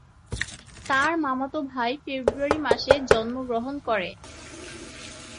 তার মামাতো ভাই ফেব্রুয়ারি মাসে জন্মগ্রহণ করে।